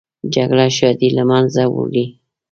جګړه ښادي له منځه وړي